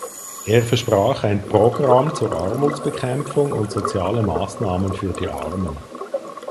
Er versprach ein Programm zur Armutsbekämpfung und soziale Maßnahmen für die Armen.